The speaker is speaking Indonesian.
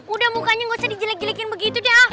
udah mukanya gak usah dijelek jelekin begitu deh ah